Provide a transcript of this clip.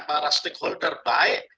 para stakeholder baik